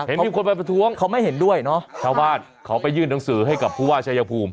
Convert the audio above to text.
เห็นมีคนไปประท้วงเขาไม่เห็นด้วยเนอะชาวบ้านเขาไปยื่นหนังสือให้กับผู้ว่าชายภูมิ